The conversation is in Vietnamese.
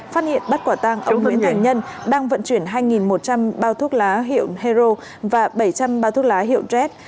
phát hiện bắt quả tang ông huỳnh thành nhân đang vận chuyển hai một trăm linh bao thuốc lá hiệu hero và bảy trăm linh bao thuốc lá hiệu dres